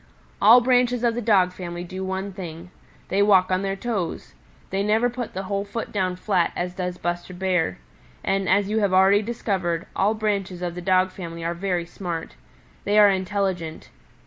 "All branches of the Dog family do one thing: they walk on their toes. They never put the whole foot down flat as does Buster Bear. And, as you have already discovered, all branches of the Dog family are very smart. They are intelligent.